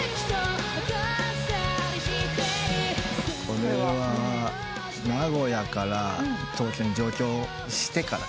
これは名古屋から東京に上京してから？